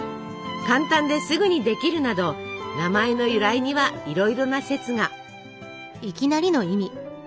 簡単ですぐにできるなど名前の由来にはいろいろな説が。